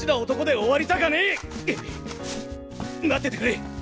待っててくれ！